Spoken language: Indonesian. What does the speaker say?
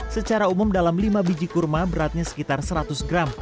secara umum dalam lima biji kurma beratnya sekitar seratus gram